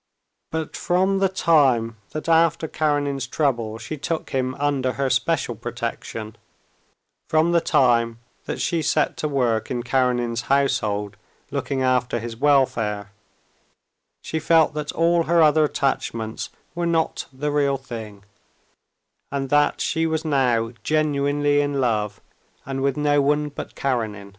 But from the time that after Karenin's trouble she took him under her special protection, from the time that she set to work in Karenin's household looking after his welfare, she felt that all her other attachments were not the real thing, and that she was now genuinely in love, and with no one but Karenin.